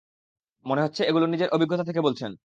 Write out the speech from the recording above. মনে হচ্ছে এগুলো নিজের অভিজ্ঞতা থেকে বলছেন।